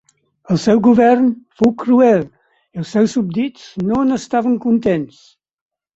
El seu govern fou cruel i els seus súbdits no n'estaven contents.